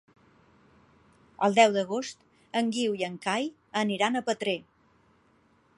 El deu d'agost en Guiu i en Cai aniran a Petrer.